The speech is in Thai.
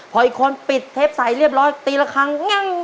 พออีกคนปิดเทปใส่เรียบร้อยตีละครั้งงั่ง